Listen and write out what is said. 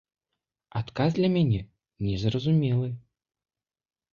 Адказ для мяне незразумелы.